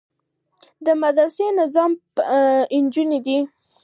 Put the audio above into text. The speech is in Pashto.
د مدرسې ناظم پنجابى دى.